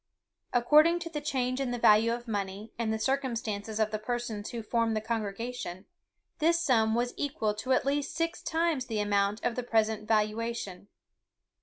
According to the change in the value of money, and the circumstances of the persons who formed the congregation, this sum was equal to at least six times the amount of the present valuation.